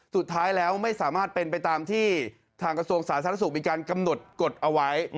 สุดท้ายแล้วไม่สามารถเป็นไปตามที่ทางกระทรวงสาธารณสุขมีการกำหนดกฎเอาไว้